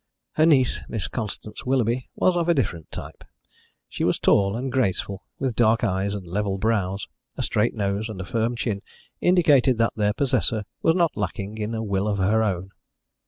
Her niece, Miss Constance Willoughby, was of a different type. She was tall and graceful, with dark eyes and level brows. A straight nose and a firm chin indicated that their possessor was not lacking in a will of her own.